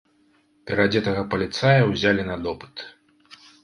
Пераадзетага паліцая ўзялі на допыт.